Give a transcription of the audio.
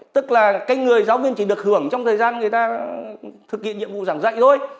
tức là cái người giáo viên chỉ được hưởng trong thời gian người ta thực hiện nhiệm vụ giảng dạy thôi